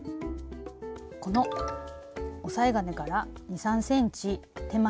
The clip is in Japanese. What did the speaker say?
この押さえ金から２３ｃｍ手前